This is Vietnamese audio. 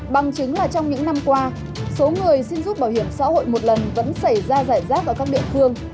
bằng chứng là trong những năm qua số người xin rút bảo hiểm xã hội một lần vẫn xảy ra giải rác ở các địa phương